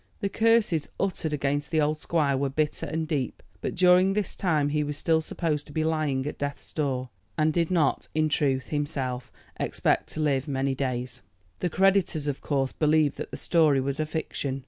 The curses uttered against the old squire were bitter and deep, but during this time he was still supposed to be lying at death's door, and did not, in truth, himself expect to live many days. The creditors, of course, believed that the story was a fiction.